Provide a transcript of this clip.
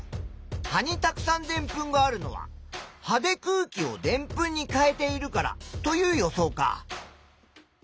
葉にたくさんでんぷんがあるのは葉で空気をでんぷんに変えているからという予想か。